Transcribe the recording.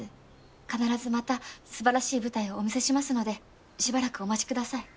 必ずまたすばらしい舞台をお見せしますのでしばらくお待ちください。